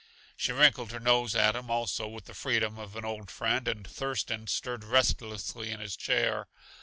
She wrinkled her nose at him also with the freedom of an old friend and Thurston stirred restlessly in his chair.